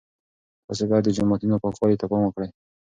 تاسي باید د جوماتونو پاکوالي ته پام وکړئ.